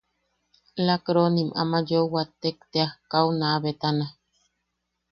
Lakkroonim ama yee wattek tea kau naa betana.